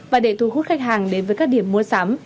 và để thu hút khách hàng đến với các điểm mua sắm